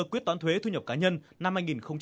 quyết toán thuế thu nhập cá nhân năm hai nghìn một mươi bảy